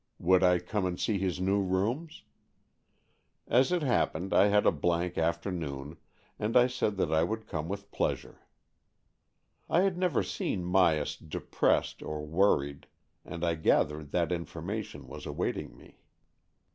Would I come and see his new rooms? As it happened, I had a blank afternoon, and I said that I would come with pleasure. AN EXCHANGE OF SOULS 43 I had never seen Myas depressed or worried, and I gathered that information was awaiting me.